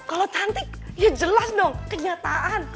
kalau cantik ya jelas dong kenyataan